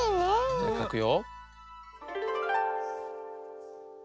じゃあかくよ。